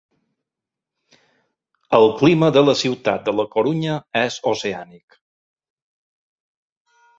El clima de la ciutat de la Corunya és oceànic.